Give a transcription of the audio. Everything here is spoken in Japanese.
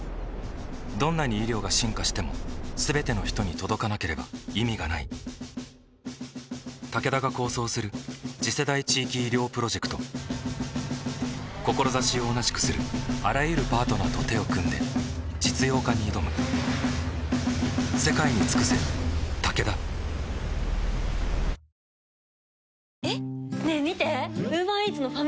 どんなに医療が進化しても全ての人に届かなければ意味がないタケダが構想する次世代地域医療プロジェクト志を同じくするあらゆるパートナーと手を組んで実用化に挑む人生これから！